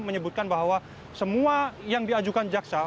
menyebutkan bahwa semua yang diajukan jaksa